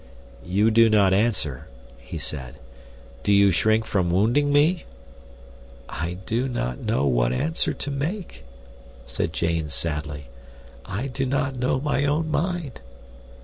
"You do not answer," he said. "Do you shrink from wounding me?" "I do not know what answer to make," said Jane sadly. "I do not know my own mind."